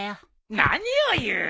何を言う！